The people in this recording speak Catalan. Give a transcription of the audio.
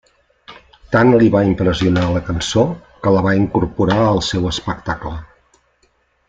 Tant li va impressionar la cançó que la va incorporar al seu espectacle.